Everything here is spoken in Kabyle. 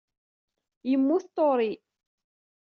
Yemmut Tory.